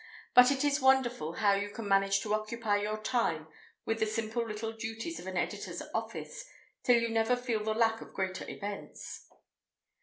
But it is wonderful how you can manage to occupy your time with the simple little duties of an editor's office, till you never feel the lack of greater events!